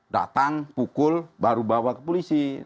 datang pukul baru bawa ke polisi